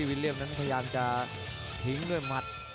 พยายามจะทิ้งด้วยมัด